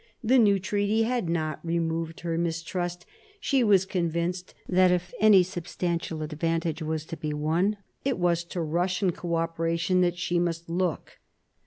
The new treaty had not re moved her mistrust; she was convinced that if any substantial advantage was to be won, it was to Russian co operation that she must look.